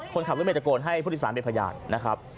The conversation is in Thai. คนขับรถเมฆตะโกนให้ผู้โดยสารเป็นพยานนะครับ